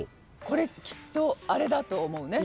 これきっとあれだと思うね。